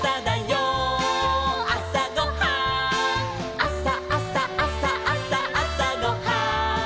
「あさあさあさあさあさごはん」